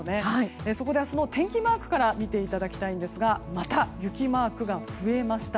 そこで明日の天気マークから見ていただきたいんですがまた雪マークが増えました。